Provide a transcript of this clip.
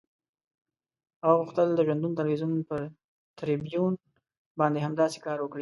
هغه غوښتل د ژوندون تلویزیون پر تریبیون باندې همداسې کار وکړي.